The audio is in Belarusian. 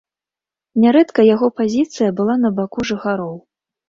Нярэдка яго пазіцыя была на баку жыхароў.